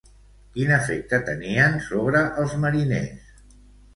Quin efecte tenien sobre els mariners?